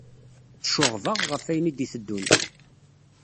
Tceɣɣbeɣ ɣef ayen i d-iteddun.